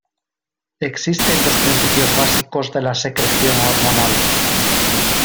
Existen dos principios básicos de la secreción hormonal.